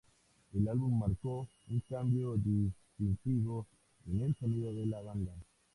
El álbum marcó un cambio distintivo en el sonido de la banda.